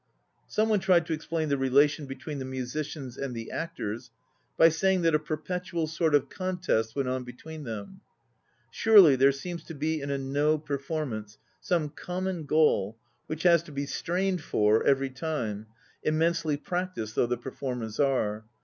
Some one tried to explain the relation between the musicians and the actors by saying that a perpetual sort of contest went on between them. Certainly there seems to be in a No performance some common goal which has to be strained for every time, immensely practised though the performers are.